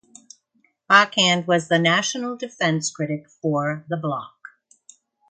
Bachand was the National Defence critic for the Bloc.